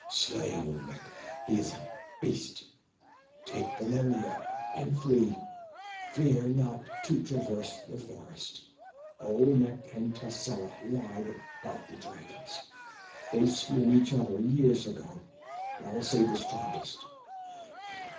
Slay Olmec! He is a beast. Take Valeria and flee! Fear not to traverse the forest. Olmec and Tascela lied about the dragons. They slew each other years ago, all save the strongest.